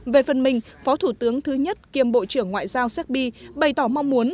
về phần mình phó thủ tướng thứ nhất kiêm bộ trưởng ngoại giao séc bi bày tỏ mong muốn